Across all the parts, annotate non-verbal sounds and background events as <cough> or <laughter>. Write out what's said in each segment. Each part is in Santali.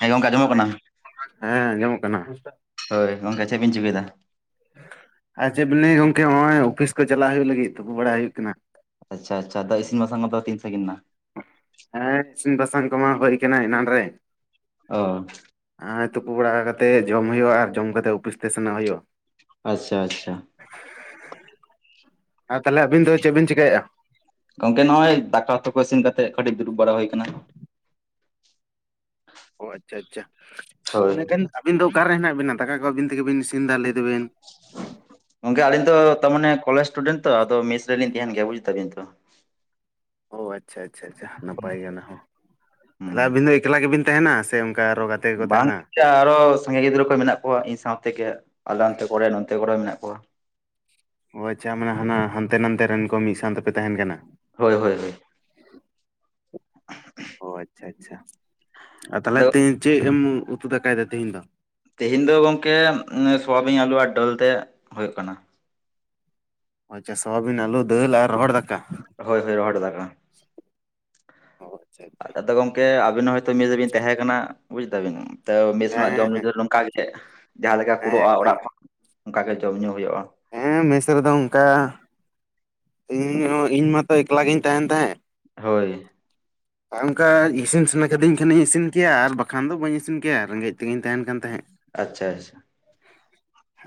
ᱦᱮ ᱜᱚᱝᱠᱮ ᱟᱸᱡᱚᱢᱚᱜ ᱠᱟᱱᱟ᱾ ᱦᱮ ᱟᱸᱡᱚᱢᱚᱜ ᱠᱟᱱᱟ᱾ ᱦᱳᱭ ᱜᱚᱝᱠᱮ ᱪᱮᱫ ᱵᱤᱱ ᱪᱤᱠᱟᱹᱭ ᱫᱟ? ᱟᱨ ᱪᱮᱫ <unintelligible> ᱜᱚᱝᱠᱮ ᱱᱚᱜ-ᱚᱭ ᱚᱯᱷᱤᱥ ᱠᱚ ᱪᱟᱞᱟᱜ ᱦᱩᱭᱩᱜ ᱞᱟᱹᱜᱤᱫ ᱛᱩᱯᱩ ᱵᱟᱲᱟᱭ ᱦᱩᱭᱩᱜ ᱠᱟᱱᱟ᱾ ᱟᱪᱪᱷᱟ ᱟᱪᱪᱷᱟ ᱟᱫᱚ ᱤᱥᱤᱱ ᱵᱟᱥᱟᱝ ᱫᱚ ᱛᱤᱱ ᱥᱟᱹᱜᱤᱧ ᱱᱟ? ᱦᱮ ᱤᱥᱤᱱ ᱵᱟᱥᱟᱝ ᱠᱚᱢᱟ ᱦᱩᱭ ᱠᱟᱱᱟ ᱮᱱᱟᱱ ᱨᱮ᱾ ᱚ, ᱦᱮ ᱛᱩᱯᱩ ᱵᱟᱲᱟ ᱠᱟᱛᱮᱫ ᱡᱚᱢ ᱦᱩᱭᱩᱜ-ᱟ ᱟᱨ ᱡᱚᱢ ᱠᱟᱛᱮ ᱚᱯᱤᱥ ᱛᱮ ᱥᱮᱱ ᱦᱩᱭᱩᱜ-ᱟ᱾ ᱟᱪᱪᱷᱟ, ᱟᱪᱪᱷᱟ᱾ ᱟᱨ ᱛᱟᱦᱞᱮ ᱟᱹᱵᱤᱱ ᱫᱚ ᱪᱮᱫ ᱵᱤᱱ ᱪᱮᱠᱟᱹᱭᱮᱜ-ᱟ? ᱜᱚᱝᱠᱮ ᱱᱚᱜ-ᱚᱭ ᱫᱟᱠᱟ ᱩᱛᱩ ᱠᱚ ᱤᱥᱤᱱ ᱠᱟᱛᱮᱜ ᱠᱟᱹᱴᱤᱡ ᱫᱩᱲᱩᱵ ᱵᱟᱲᱟ ᱦᱩᱭ ᱠᱟᱱᱟ᱾ <unintelligible> ᱚ ᱟᱪᱪᱷᱟ ᱟᱪᱪᱷᱟ ᱦᱳᱭ ᱚᱱᱮᱠᱷᱟᱱ ᱟᱹᱵᱤᱱ ᱫᱚ ᱚᱠᱟᱨᱮ ᱦᱮᱱᱟᱜ ᱵᱤᱱᱟ ᱫᱟᱠᱟ ᱠᱚ ᱟᱹᱵᱤᱱ ᱛᱮᱜᱮ ᱵᱤᱱ ᱤᱥᱤᱱ ᱤᱱ ᱫᱟ ᱞᱟᱹᱭ ᱫᱟᱵᱮᱱ᱾ ᱜᱚᱝᱠᱮ ᱟᱞᱤᱧ ᱫᱚ ᱛᱟᱨᱢᱟᱱᱮ ᱠᱚᱞᱮᱡ ᱥᱴᱩᱰᱮᱱᱴ ᱛᱚ ᱟᱫᱚ ᱢᱮᱥ ᱨᱮᱞᱤᱧ ᱛᱟᱦᱮᱱ ᱜᱮᱭᱟ ᱵᱩᱡ ᱫᱟᱵᱮᱱ ᱛᱚ᱾ ᱚ ᱟᱪᱪᱷᱟ ᱟᱪᱪᱷᱟ ᱟᱪᱪᱷᱟ ᱱᱟᱯᱟᱭ ᱜᱮ ᱚᱱᱟ ᱦᱚ ᱦᱩᱸ ᱟᱵᱤᱱ ᱫᱚ ᱮᱠᱞᱟ ᱜᱮᱵᱤᱱ ᱛᱟᱦᱮᱱᱟ ᱥᱮ ᱚᱱᱠᱟ ᱟᱨᱚ ᱜᱟ ᱵᱟᱝ, ᱟᱨᱚ ᱥᱟᱸᱜᱮ ᱜᱤᱫᱽᱨᱟᱹ ᱠᱚ ᱢᱮᱱᱟᱜ ᱠᱚᱣᱟ ᱤᱧ ᱥᱟᱶᱛᱮᱜᱮ ᱟᱞᱮ ᱚᱱᱛᱮ ᱠᱚᱨᱮ ᱱᱚᱱᱛᱮ ᱠᱚᱨᱮ ᱢᱮᱱᱟᱜ ᱠᱚᱣᱟ᱾ ᱚ ᱟᱪᱪᱷᱟ ᱢᱟᱱᱮ ᱦᱟᱱᱟ ᱦᱟᱱᱛᱮ ᱱᱟᱛᱮ ᱨᱮᱱ ᱠᱚ ᱢᱤᱫ ᱥᱟᱶ ᱛᱮᱯᱮ ᱛᱟᱦᱮᱱ ᱠᱟᱱᱟ? ᱦᱳᱭ ᱦᱳᱭ ᱦᱳᱭ᱾ ᱚ ᱟᱪᱪᱷᱟ ᱟᱪᱪᱷᱟ ᱛᱟᱦᱚᱞᱮ ᱟᱫᱚ ᱛᱤ ᱪᱮᱫ ᱮᱢ ᱩᱛᱩ ᱫᱟᱠᱟᱭ ᱫᱟ ᱛᱮᱦᱤᱧ ᱫᱚ? ᱛᱮᱦᱮᱧ ᱫᱚ ᱜᱚᱝᱠᱮ ᱥᱚᱣᱟᱵᱤᱧ ᱟᱞᱩ ᱟᱨ ᱰᱟᱹᱞ ᱛᱮ ᱦᱳᱭᱳᱜ ᱠᱟᱱᱟ᱾ ᱟᱪᱪᱷᱟ ᱥᱚᱣᱟᱵᱤᱱ ᱟᱹᱞᱩ ᱫᱟᱹᱞ ᱟᱨ ᱨᱚᱦᱚᱲ ᱫᱟᱠᱟ? ᱦᱳᱭ ᱦᱳᱭ ᱨᱚᱦᱚᱲ ᱫᱟᱠᱟ᱾ ᱚ ᱟᱪᱪᱷᱟ ᱟᱪᱪᱷᱟ ᱟᱫᱚ ᱜᱚᱝᱠᱮ ᱟᱹᱵᱤᱱ ᱦᱳᱭᱛᱳ ᱢᱮᱥ ᱨᱮ ᱵᱤᱱ ᱛᱟᱦᱮᱸ ᱠᱟᱱᱟ ᱵᱩᱡ ᱫᱟᱵᱤᱱ ᱛᱚ ᱢᱮᱥ ᱦᱮᱸ ᱨᱮᱱᱟᱜ ᱡᱚᱢ ᱦᱮᱸ ᱧᱩ ᱦᱮᱸ ᱫᱚ ᱱᱚᱝᱠᱟ ᱜᱮ ᱛᱮᱜ ᱡᱟᱦᱟᱸ ᱞᱮᱠᱟ ᱦᱮᱸ ᱠᱩᱲᱟᱹᱜ-ᱟ ᱮᱠᱫᱚᱢ ᱚᱲᱟᱜ ᱠᱷᱚᱱ ᱚᱱᱠᱟᱜ ᱜᱮ ᱡᱚᱢ ᱧᱩ ᱦᱩᱭᱩᱜ-ᱟ᱾ ᱦᱮᱸ ᱢᱮᱥ ᱨᱮᱫᱚ ᱚᱱᱠᱟ ᱤᱧ ᱦᱚ ᱤᱧ ᱢᱟᱛᱚ ᱮᱠᱞᱟ ᱜᱤᱧ ᱛᱟᱦᱮᱱ ᱛᱟᱦᱮᱸᱫ᱾ ᱦᱳᱭ, ᱟᱨ ᱚᱱᱠᱟ ᱤᱥᱤᱱ ᱥᱟᱱᱟ ᱠᱟᱹᱫᱤᱧ ᱠᱷᱟᱱᱤᱧ ᱤᱥᱤᱱ ᱠᱮᱭᱟ ᱟᱨ ᱵᱟᱠᱷᱟᱱ ᱫᱚ ᱵᱟᱹᱧ ᱤᱥᱤᱱ ᱠᱮᱭᱟ ᱨᱮᱸᱜᱮᱡ ᱛᱮᱜᱮᱧ ᱛᱟᱦᱮᱱ ᱠᱟᱱ ᱛᱟᱦᱮᱸᱫ᱾ ᱟᱪᱪᱷᱟ, ᱟᱪᱪᱷᱟ᱾